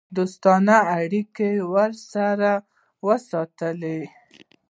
دوستانه اړیکې ورسره وساتي.